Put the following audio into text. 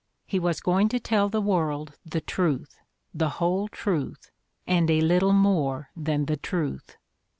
He was going to tell the world the truth, the whole truth, and a little more than the truth!